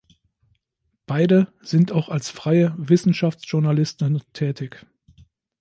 Beide sind auch als freie Wissenschaftsjournalisten tätig.